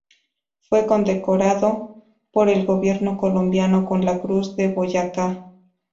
Fue condecorado por el gobierno colombiano con la Cruz de Boyacá.